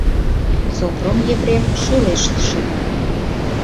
Сопром Епрем шӱлешт шога.